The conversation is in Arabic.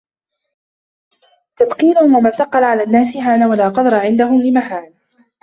تَثْقِيلٌ وَمَنْ ثَقَّلَ عَلَى النَّاسِ هَانَ ، وَلَا قَدْرَ عِنْدَهُمْ لِمُهَانٍ